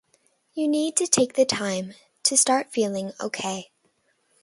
You need to take the time to start feeling ok.